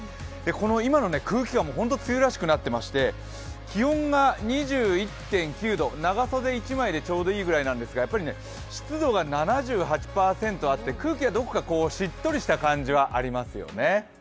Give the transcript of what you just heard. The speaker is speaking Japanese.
この今の空気感、本当に梅雨らしくなっていまして、気温が２１．９度、長袖１枚でちょうどいいぐらいなんですが湿度が７８％あって、空気がどこかしっとりした感じはありますよね。